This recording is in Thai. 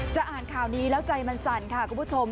อ่านข่าวนี้แล้วใจมันสั่นค่ะคุณผู้ชม